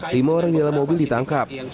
lima orang di dalam mobil ditangkap